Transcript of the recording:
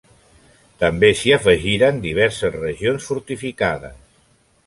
També s'hi afegiren diverses regions fortificades.